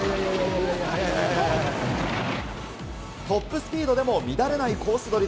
トップスピードでも乱れないコース